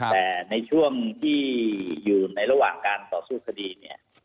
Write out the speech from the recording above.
แต่ในช่วงที่อยู่ในระหว่างการต่อสู้คดีเนี่ย